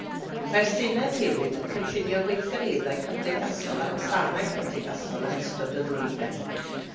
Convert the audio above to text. Mae'r Senedd hefyd yn cynllunio gweithgareddau cymdeithasol a gwasanaeth cymdeithasol yn ystod y flwyddyn.